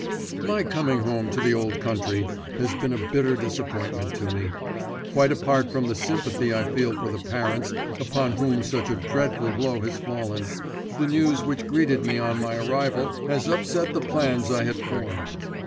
"My coming home to the old country has been a bitter disappointment to me. Quite apart from the sympathy I feel for the parents upon whom such a dreadful blow has fallen, the news which greeted me on my arrival has upset the plans I had formed.